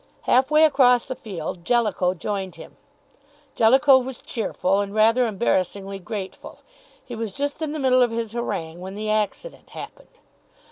Half way across the field Jellicoe joined him. Jellicoe was cheerful, and rather embarrassingly grateful. He was just in the middle of his harangue when the accident happened.